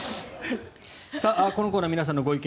さあ、このコーナー皆さんのご意見